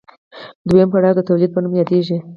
دویم پړاو د تولید په نوم یادېږي